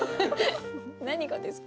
何がですか？